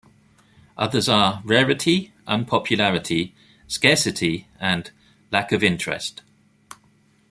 Others are "rarity", "unpopularity", "scarcity", and "lack of interest".